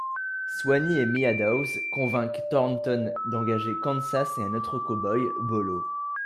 Swanee et Meadows convainquent Thornton d'engager Kansas et un autre cowboy, Bolo.